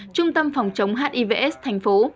trung tâm phòng chống hiv s thành phố